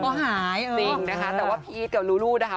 เดี๋ยวเขาหายเออค่ะจริงนะคะแต่ว่าพี่อีดกับลูลูนะคะ